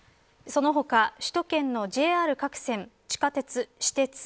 その他、首都圏のＪＲ各線地下鉄、私鉄